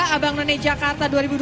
abang none jakarta dua ribu dua puluh